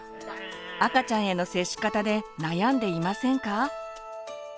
赤ちゃんへの接し方で悩んでいませんか？